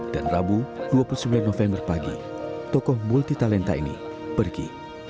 dan rabu dua puluh sembilan november pagi tokoh multi talenta ini pergi